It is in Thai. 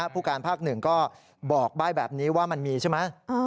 ผู้การภาคหนึ่งก็บอกใบ้แบบนี้ว่ามันมีใช่ไหม